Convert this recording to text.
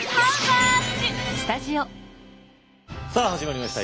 さあ始まりました。